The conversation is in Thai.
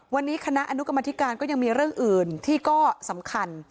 วันนี้คณะอนุกรรมธิการก็ยังมีเรื่องอื่นที่ก็สำคัญ